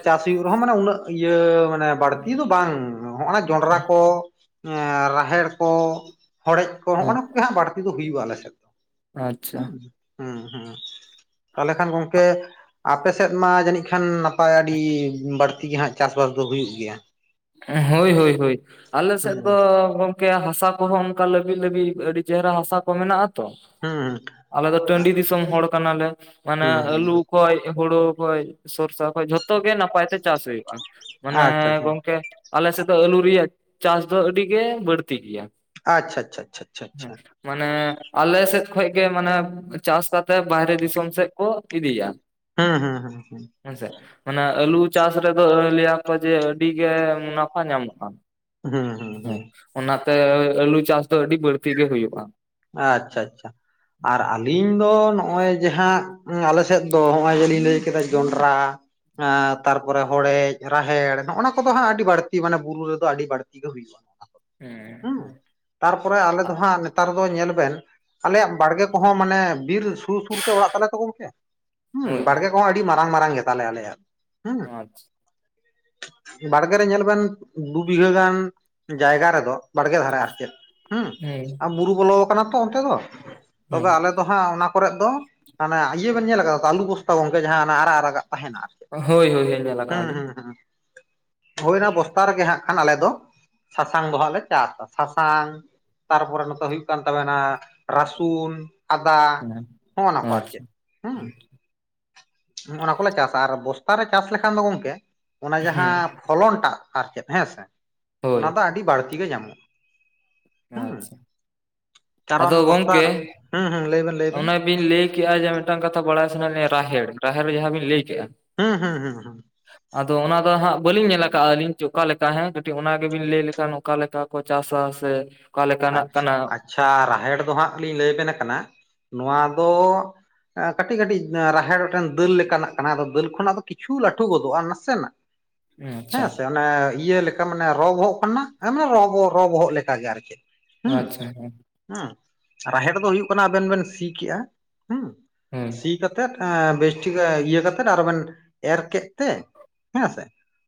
ᱪᱟᱥ ᱦᱩᱭᱩᱜ ᱨᱮᱦᱚᱸ ᱢᱟᱱᱮ ᱩᱱᱟᱹᱜ ᱤᱭᱟᱹ ᱵᱟᱹᱲᱛᱤ ᱫᱚ ᱵᱟᱝ ᱦᱚᱜᱼᱚᱱᱟ ᱡᱚᱱᱰᱨᱟ ᱠᱚ, ᱨᱟᱦᱮᱲ ᱠᱚ ᱦᱚᱲᱮᱡ ᱠᱚ ᱦᱮᱸ ᱦᱚᱜ-ᱚᱱᱟ ᱠᱚᱜᱮ ᱦᱟᱜ ᱵᱟᱹᱲᱛᱤ ᱫᱚ ᱦᱩᱭᱩᱜ-ᱟ ᱟᱞᱮ ᱥᱮᱫ ᱫᱚ ᱟᱪᱪᱷᱟ ᱦᱩᱸ ᱾ ᱦᱩᱸ ᱦᱩᱸ, ᱛᱟᱦᱚᱞᱮ ᱠᱷᱟᱱ ᱜᱚᱝᱠᱮ ᱟᱯᱮ ᱥᱮᱫ ᱢᱟ ᱡᱟᱹᱱᱤᱡ ᱠᱷᱟᱱ ᱱᱟᱯᱟᱭ ᱟᱹᱰᱤ ᱵᱟᱹᱲᱛᱤ ᱜᱮ ᱦᱟᱸᱜ ᱪᱟᱥᱵᱟᱥ ᱫᱚ ᱦᱩᱭᱩᱜ ᱜᱮᱭᱟ? ᱦᱳᱭ ᱦᱳᱭ ᱦᱳᱭ ᱟᱞᱮ ᱥᱮᱫ ᱦᱩᱸ ᱫᱚ ᱠᱮ ᱦᱟᱥᱟ ᱠᱚᱦᱚᱸ ᱚᱱᱠᱟ ᱞᱟᱹᱵᱤᱛ ᱞᱟᱹᱵᱤᱛ ᱟᱹᱰᱤ ᱪᱮᱦᱨᱟ ᱦᱟᱥᱟ ᱠᱚ ᱢᱮᱱᱟᱜ-ᱟ ᱛᱚ ᱾ ᱦᱩᱸ ᱦᱩᱸ ᱾ ᱟᱞᱮ ᱫᱚ ᱴᱟᱺᱰᱤ ᱫᱤᱥᱚᱢ ᱦᱚᱲ ᱠᱟᱱᱟᱞᱮ ᱢᱟᱱᱮ ᱦᱩᱸ ᱦᱩᱸ ᱟᱞᱩ ᱠᱷᱚᱡ, ᱦᱩᱲᱩ ᱠᱷᱚᱡ, ᱥᱚᱨᱥᱟ ᱠᱷᱚᱡ ᱡᱷᱚᱛᱚ ᱜᱮ ᱱᱟᱯᱟᱭ ᱛᱮ ᱪᱟᱥ ᱦᱩᱭᱩᱜᱼᱟ, ᱢᱟᱱᱮ ᱟᱪᱪᱷᱟ ᱟᱪᱪᱷᱟ ᱜᱚᱝᱠᱮ ᱟᱞᱮ ᱥᱮᱫ ᱫᱚ ᱟᱹᱞᱩ ᱨᱮᱭᱟᱜ ᱪᱟᱥ ᱫᱚ ᱟᱹᱰᱤ ᱜᱮ ᱵᱟᱹᱲᱛᱤ ᱜᱮᱭᱟ ᱾ ᱟᱪᱪᱷᱟ ᱟᱪᱪᱷᱟ ᱟᱪᱪᱷᱟ ᱟᱪᱪᱷᱟ ᱟᱪᱪᱷᱟ ᱟᱪᱪᱷᱟ ᱟᱪᱪᱷᱟ ᱾ ᱢᱟᱱᱮ ᱟᱞᱮ ᱥᱮᱫ ᱠᱷᱚᱡ ᱜᱮ ᱢᱟᱱᱮ ᱪᱟᱥ ᱠᱟᱛᱮᱜ ᱵᱟᱦᱨᱮ ᱫᱤᱥᱚᱢ ᱥᱮᱫ ᱠᱚ ᱤᱫᱤᱭᱟ ᱾ ᱦᱩᱸ ᱦᱩᱸ ᱦᱩᱸ ᱦᱩᱸ ᱾ ᱦᱮᱸᱥᱮ, ᱢᱟᱱᱮ ᱟᱹᱞᱩ ᱪᱟᱥ ᱨᱮᱫᱚ ᱞᱟᱹᱭ ᱟᱠᱚ ᱡᱮ ᱟᱹᱰᱤ ᱜᱮ ᱢᱩᱱᱟᱯᱷᱟ ᱧᱟᱢᱚᱜ-ᱟ ᱾ ᱦᱩᱸ ᱦᱩᱸ ᱾ ᱦᱮᱸ, ᱚᱱᱟᱛᱮ ᱟᱹᱞᱩ ᱪᱟᱥ ᱫᱚ ᱟᱹᱰᱤ ᱵᱟᱹᱲᱛᱤ ᱜᱮ ᱦᱩᱭᱩᱜ-ᱟ ᱾ ᱟᱪᱪᱷᱟ ᱟᱪᱪᱷᱟ, ᱟᱨ ᱟᱹᱞᱤᱧ ᱫᱚ ᱱᱚᱜ-ᱚᱭ ᱡᱮ ᱦᱟᱸᱜ ᱟᱞᱮ ᱥᱮᱫ ᱫᱚ ᱱᱚᱜ-ᱚᱭ ᱡᱮ ᱞᱤᱧ ᱞᱟᱹᱭ ᱠᱮᱫᱟ ᱡᱚᱱᱰᱨᱟ ᱮᱸ ᱛᱟᱨᱯᱚᱨᱮ ᱦᱚᱲᱮᱡ ᱨᱟᱦᱮᱲ ᱱᱚᱜᱼᱚᱱᱟ ᱠᱚᱫᱚ ᱦᱟᱸᱜ ᱟᱹᱰᱤ ᱵᱟᱹᱲᱛᱤ ᱢᱟᱱᱮ ᱵᱩᱨᱩ ᱨᱮᱫᱚ ᱟᱹᱰᱤ ᱵᱟᱹᱲᱛᱤ ᱜᱮ ᱦᱩᱭᱩᱜ ᱟ ᱚᱱᱟ ᱠᱚᱫᱚ, ᱦᱮᱸ ᱦᱩᱸ ᱛᱟᱨᱯᱚᱨᱮ ᱟᱞᱮ ᱫᱚ ᱦᱟᱸᱜ ᱱᱮᱛᱟᱨ ᱫᱚ ᱧᱮᱞ ᱵᱮᱱ ᱟᱞᱮᱭᱟᱜ ᱵᱟᱲᱜᱮ ᱠᱚᱦᱚᱸ ᱢᱟᱱᱮ ᱵᱤᱨ ᱥᱩᱨ ᱥᱩᱨ ᱛᱮ ᱚᱲᱟᱜ ᱛᱟᱞᱮ ᱛᱚ ᱜᱚᱝᱠᱮ, ᱦᱩᱸ ᱦᱳᱭ ᱵᱟᱲᱜᱮ ᱠᱚᱦᱚᱸ ᱟᱹᱰᱤ ᱢᱟᱨᱟᱝ ᱢᱟᱨᱟᱝ ᱜᱮᱛᱟ ᱞᱮᱭᱟ ᱟᱞᱮᱭᱟᱜ ᱾ ᱦᱩᱸ, ᱟᱪᱪᱷᱟ ᱵᱟᱲᱜᱮ ᱨᱮ ᱧᱮᱞ ᱵᱮᱱ ᱫᱩ ᱵᱤᱜᱷᱟᱹ ᱜᱟᱱ ᱡᱟᱭᱜᱟ ᱨᱮᱫᱚ ᱵᱟᱲᱜᱮ ᱫᱷᱟᱨᱮ ᱟᱨ ᱪᱮᱫ, ᱦᱩᱸ ᱦᱩᱸ ᱾ ᱟᱨ ᱵᱩᱨᱩ ᱵᱚᱞᱚ ᱟᱠᱟᱱᱟ ᱛᱚ ᱚᱱᱛᱮ ᱫᱚ, ᱛᱚᱵᱮ ᱦᱮᱸ ᱟᱞᱮ ᱫᱚ ᱦᱟᱸᱜ ᱚᱱᱟ ᱠᱚᱨᱮᱜ ᱫᱚ ᱢᱟᱱᱮ ᱤᱭᱟᱹ ᱵᱮᱱ ᱧᱮᱞ ᱠᱟᱫᱟ ᱛᱚ ᱟᱞᱩ ᱵᱚᱥᱛᱟ ᱜᱚᱝᱠᱮ ᱡᱟᱦᱟᱸ ᱦᱟᱱᱟ ᱟᱨᱟᱜ ᱟᱨᱟᱜᱟᱜ ᱛᱟᱦᱮᱱᱟ ᱟᱨᱠᱤ ᱦᱳᱭ ᱦᱳᱭ ᱧᱮᱞ ᱾ ᱟᱠᱟᱜᱼᱟ ᱦᱩᱸ ᱞᱤᱧ ᱦᱩᱸ ᱦᱩᱸ ᱾ ᱦᱳᱭ ᱚᱱᱟ ᱵᱚᱥᱛᱟ ᱨᱮᱜᱮ ᱦᱟᱸᱜ ᱠᱷᱟᱱ ᱟᱞᱮ ᱫᱚ ᱥᱟᱥᱟᱝ ᱫᱚ ᱦᱟᱸᱜ ᱞᱮ ᱪᱟᱥᱟ, ᱥᱟᱥᱟᱝ ᱛᱟᱨᱯᱚᱨᱮ ᱱᱚᱛᱮ ᱦᱩᱭᱩᱜ ᱠᱟᱱ ᱛᱟᱵᱮᱱᱟ ᱨᱟᱹᱥᱩᱱ, ᱟᱫᱟ ᱦᱮᱸ ᱦᱚᱜ-ᱚᱱᱟ ᱠᱚ ᱟᱨ ᱟᱪᱪᱷᱟ ᱪᱮᱫ ᱦᱩᱸ ᱾ ᱦᱚᱜ-ᱚᱱᱟ ᱠᱚᱞᱮ ᱪᱟᱥᱟ, ᱟᱨ ᱵᱚᱥᱛᱟ ᱨᱮ ᱪᱟᱥ ᱞᱮᱠᱷᱟᱱ ᱫᱚ ᱜᱚᱝᱠᱮ ᱚᱱᱟ ᱡᱟᱦᱟᱸ ᱦᱮᱸ ᱯᱷᱚᱞᱚᱱ ᱴᱟᱜ ᱟᱨ ᱪᱮᱫ ᱦᱮᱸᱥᱮ ᱦᱳᱭ ᱚᱱᱟ ᱫᱚ ᱟᱹᱰᱤ ᱵᱟᱹᱲᱛᱤ ᱜᱮ ᱧᱟᱢᱚᱜ-ᱟ ᱾ ᱟᱪᱪᱷᱟ ᱟᱫᱚ ᱠᱟᱨᱚᱱ ᱜᱚᱝᱠᱮ ᱵᱚᱥᱛᱟ ᱦᱩᱸ ᱦᱩᱸ ᱞᱟᱹᱭ ᱵᱮᱱ ᱾ ᱚᱱᱮ ᱵᱤᱱ ᱞᱟᱹᱭ ᱠᱮᱜᱼᱟ ᱡᱮ ᱢᱤᱫ ᱴᱟᱝ ᱠᱟᱛᱷᱟ ᱵᱟᱲᱟᱭ ᱥᱟᱱᱟᱭᱮᱫ ᱞᱤᱧᱟ ᱨᱟᱦᱮᱲ ᱨᱟᱦᱮᱲ ᱡᱟᱦᱟᱸ ᱵᱤᱱ ᱞᱟᱹᱭ ᱠᱮᱜᱼᱟ ᱦᱩᱸ ᱦᱩᱸ ᱦᱩᱸ ᱦᱩᱸ ᱟᱫᱚ ᱚᱱᱟ ᱫᱚ ᱦᱟᱸᱜ ᱵᱟᱹᱞᱤᱧ ᱧᱮᱞ ᱟᱠᱟᱜ, ᱟᱹᱞᱤᱧ ᱪᱚ ᱚᱠᱟ ᱞᱮᱠᱟ ᱦᱮᱸ ᱠᱟᱹᱴᱤᱡ ᱚᱱᱟ ᱜᱮ ᱵᱤᱱ ᱞᱟᱹᱭ ᱞᱮᱠᱷᱟᱱ ᱚᱠᱟ ᱞᱮᱠᱟ? ᱠᱚ ᱪᱟᱥᱟ ᱥᱮ ᱚᱠᱟ ᱞᱮᱠᱟᱱᱟᱜ ᱟᱪᱪᱷᱟ ᱠᱟᱱᱟ ᱟᱪᱪᱷᱟ ᱨᱟᱦᱮᱲ ᱫᱚ ᱦᱟᱸᱜ ᱞᱤᱧ ᱞᱟᱹᱭ ᱵᱮᱱ ᱠᱟᱱᱟ᱾ ᱱᱚᱣᱟ ᱫᱚ ᱠᱟᱹᱴᱤᱡ ᱠᱟᱹᱴᱤᱡ ᱨᱟᱦᱮᱲ ᱢᱤᱫ ᱴᱟᱝ ᱫᱟᱹᱞ ᱞᱮᱠᱟᱱᱟᱜ ᱠᱟᱱᱟ᱾ ᱟᱫᱚ ᱫᱟᱹᱞ ᱠᱷᱚᱱᱟᱜ ᱫᱚ ᱠᱤᱪᱷᱩ ᱞᱟᱹᱴᱩ ᱜᱚᱫᱚᱜ-ᱟ, ᱱᱟᱥᱮ ᱱᱟᱜ᱾ [inaudible] ᱟᱪᱪᱷᱟ ᱦᱮᱸ ᱥᱮ ᱚᱱᱮ ᱤᱭᱟᱹ ᱞᱮᱠᱟ, ᱢᱟᱱᱮ ᱨᱚ ᱵᱚᱦᱚᱜ ᱠᱟᱱᱟ ᱮᱸ ᱢᱟᱱᱮ ᱨᱚ ᱵᱚ ᱨᱚ ᱵᱚᱦᱚᱜ ᱞᱮᱠᱟ ᱜᱮ ᱟᱹᱨᱠᱤ᱾ ᱦᱩᱸ ᱟᱪᱪᱷᱟ ᱦᱮᱸ ᱦᱩᱸ ᱨᱟᱦᱮᱲ ᱫᱚ ᱦᱩᱭᱩᱜ ᱠᱟᱱᱟ, ᱟᱵᱮᱱ ᱵᱮᱱ ᱥᱤ ᱠᱮᱜ-ᱟ, ᱦᱩᱸ᱾ ᱦᱮᱸ! ᱥᱤ ᱠᱟᱛᱮᱜ ᱵᱮᱥᱴᱷᱤᱠ ᱤᱭᱟᱹ ᱠᱟᱛᱮᱜ ᱟᱨ ᱵᱮᱱ ᱮᱨ ᱠᱮᱫ ᱛᱮ ᱦᱮᱸ ᱥᱮ᱾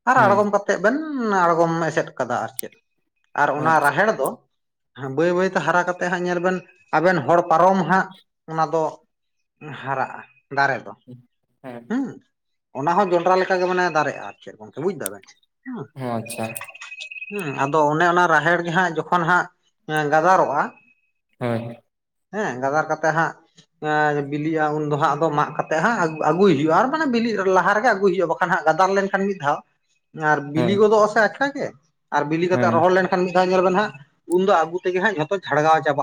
ᱟᱨ ᱦᱮᱸ ᱟᱬᱜᱚᱢ ᱠᱟᱛᱮᱫ ᱵᱮᱱ ᱟᱬᱜᱚᱢ ᱮᱥᱮᱫ ᱠᱟᱫᱟ ᱟᱨ ᱪᱮᱫ ᱟᱨ ᱚᱱᱟ ᱟᱪᱪᱷᱟ ᱨᱟᱦᱮᱲ ᱫᱚ ᱵᱟᱹᱭ ᱵᱟᱹᱭ ᱛᱮ ᱦᱟᱨᱟ ᱠᱟᱛᱮ ᱦᱟᱸᱜ ᱧᱮᱞ ᱵᱮᱱ, ᱟᱵᱮᱱ ᱦᱚᱲ ᱯᱟᱨᱚᱢ ᱦᱟᱸᱜ ᱚᱱᱟ ᱫᱚ ᱦᱟᱨᱟᱜ-ᱟ, ᱫᱟᱨᱮ ᱫᱚ᱾ ᱦᱮᱸ ᱦᱩᱸ! ᱚᱱᱟ ᱦᱚᱸ ᱡᱚᱱᱰᱨᱟ ᱞᱮᱠᱟ ᱜᱮ ᱢᱟᱱᱮ ᱫᱟᱨᱮᱜ-ᱟ ᱟᱨ ᱪᱮᱫ ᱜᱚᱢᱠᱮ ᱵᱩᱡ ᱫᱟ ᱵᱮᱱ ᱚᱸ ᱟᱪᱪᱷᱟ ᱦᱩᱸ ᱟᱫᱚ ᱚᱱᱮ ᱚᱱᱟ ᱨᱟᱦᱮᱲ ᱜᱮ ᱦᱟᱸᱜ ᱡᱚᱠᱷᱚᱱ ᱦᱟᱸᱜ ᱜᱟᱫᱟᱨᱚᱜᱼᱟ᱾ ᱦᱳᱭ ᱦᱮᱸ ᱜᱟᱫᱟᱨ ᱠᱟᱛᱮ ᱦᱟᱸᱜ ᱟᱨ ᱵᱤᱞᱤᱜ-ᱟ ᱩᱱ ᱫᱚ ᱦᱟᱸᱜ ᱟᱫᱚ ᱢᱟᱜ ᱠᱟᱛᱮᱜ ᱦᱟᱸᱜ, ᱟᱹᱜᱩᱭ ᱦᱩᱭᱩᱜ-ᱟ ᱟᱨ ᱢᱟᱱᱮ ᱵᱤᱞᱤᱜ ᱞᱟᱦᱟ ᱨᱮᱜᱮ ᱟᱹᱜᱩᱭ ᱦᱩᱭᱩᱜᱼᱟ᱾ ᱠᱟᱱ ᱦᱟᱸᱜ ᱜᱟᱫᱟᱞ ᱞᱮᱱᱠᱷᱟᱱ ᱢᱤᱫ ᱫᱷᱟᱣ [inaudible] ᱟᱨ ᱦᱳᱭ ᱵᱤᱞᱤ ᱜᱚᱫᱚᱜ ᱟᱥᱮ ᱟᱪᱠᱟ ᱜᱮ ᱟᱨ ᱵᱤᱞᱤ ᱠᱟᱛᱮ ᱦᱮᱸ ᱨᱚᱦᱚᱲ ᱞᱮᱱᱠᱷᱟᱱ ᱢᱤᱫ ᱫᱷᱟᱣ ᱧᱮᱞ ᱵᱮᱱ ᱦᱟᱸᱜ᱾ ᱩᱱ ᱫᱚ ᱟᱜᱩ ᱛᱮᱜᱮ ᱦᱟᱸᱜ ᱡᱷᱚᱛᱚ ᱡᱷᱟᱲᱟᱣ ᱪᱟᱵᱟᱜ